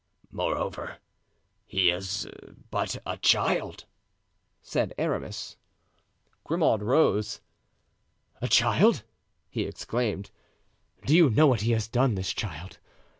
"Moreover, he is but a child," said Aramis. Grimaud rose. "A child!" he exclaimed. "Do you know what he has done, this child?